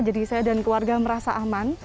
jadi saya dan keluarga merasa aman